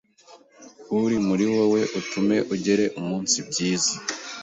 uri muri wowe utume ugere umunsi byize.